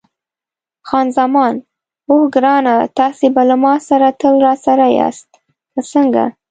خان زمان: اوه ګرانه، تاسي به له ما سره تل راسره یاست، که څنګه؟